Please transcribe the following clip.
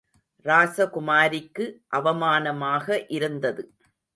ராசகுமாரிக்கு அவமானமாக இருந்தது.